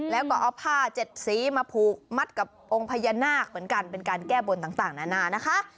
แล้วก็เอาผ้าเจ็ดสีมาผูกมัดกับองค์พญานาคเหมือนกันเป็นการแก้บนต่างนานานะคะ